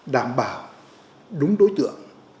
đảm bảo đúng đối tượng